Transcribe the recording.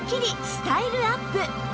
スタイルアップ！